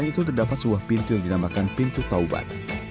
selain itu terdapat sebuah pintu yang dinamakan pintu taubat